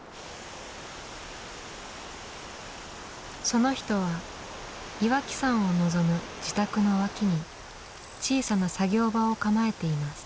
その人は岩木山を望む自宅の脇に小さな作業場を構えています。